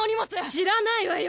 知らないわよ！